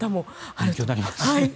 勉強になります。